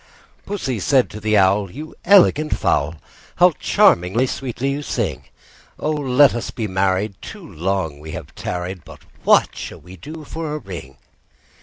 II. Pussy said to the Owl, "You elegant fowl, How charmingly sweet you sing! Oh! let us be married; too long we have tarried: But what shall we do for a ring?"